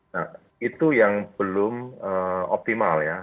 nah itu yang belum optimal ya